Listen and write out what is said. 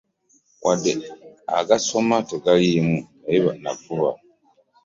Wadde amagezi agasoma tegaalimu naye nafuba.